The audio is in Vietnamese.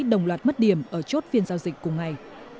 đồng loạt mất điểm ở chốt phiên giao dịch cùng ngày